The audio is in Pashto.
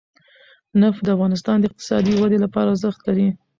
نفت د افغانستان د اقتصادي ودې لپاره ارزښت لري.